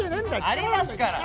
ありますから。